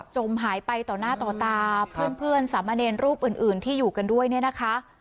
จมหายไปต่อหน้าต่อตาเพื่อนสามเณรรูปอื่นที่อยู่กันด้วยเนี่ยนะคะ